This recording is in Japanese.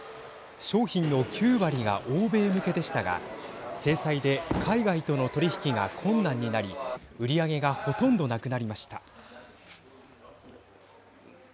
商品の９割が欧米向けでしたが制裁で海外との取り引きが困難になり売り上げがほとんどなくなりました。